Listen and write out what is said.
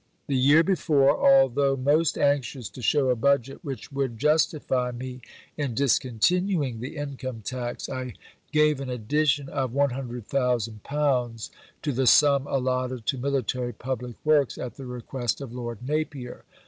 The year before, although most anxious to show a budget which would justify me in discontinuing the Income Tax, I gave an addition of £100,000 to the sum allotted to military public works at the request of Lord Napier.